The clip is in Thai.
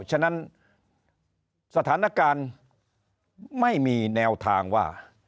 ฉะนั้นสถานการณ์ไม่มีแนวทางว่า